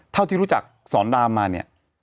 เท่าที่รู้จักสอนดามมาเนี่ย